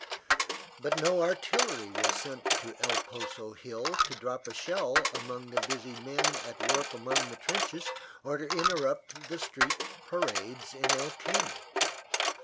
But no artillery was sent to El Poso hill to drop a shell among the busy men at work among the trenches, or to interrupt the street parades in El Caney.